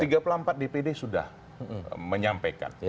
tiga pelampat di pd sudah menyampaikan